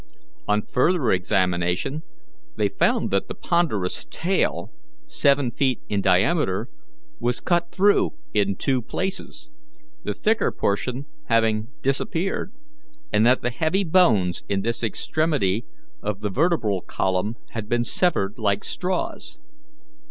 On further examination they found that the ponderous tail, seven feet in diameter, was cut through in two places, the thicker portion having disappeared, and that the heavy bones in this extremity of the vertebral column had been severed like straws.